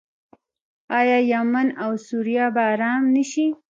آیا یمن او سوریه به ارام نشي؟